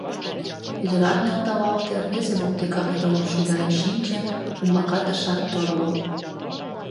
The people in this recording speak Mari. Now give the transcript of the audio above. Ӱдырат нӧлталалте, рвезе воктекак йолым шуйдарен шинче, умбакат ышат торло.